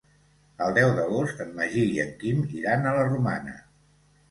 El deu d'agost en Magí i en Quim iran a la Romana.